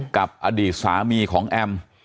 กับอดีตสามีของแอม